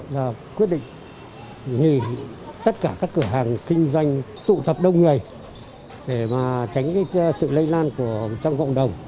chúng tôi quyết định nghỉ tất cả các cửa hàng kinh doanh tụ tập đông người để tránh sự lây lan trong cộng đồng